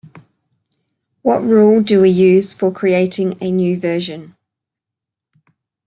What rule do we use for creating a new version?